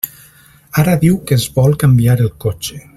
Ara diu que es vol canviar el cotxe.